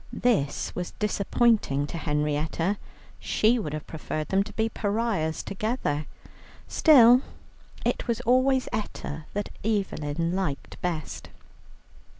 This was disappointing to Henrietta; she would have preferred them to be pariahs together. Still, it was always Etta that Evelyn liked best.